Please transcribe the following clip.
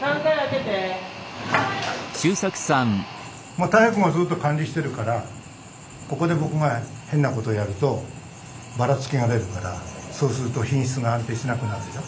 まあ泰平君がずっと管理してるからここで僕が変なことやるとバラツキが出るからそうすると品質が安定しなくなるでしょ。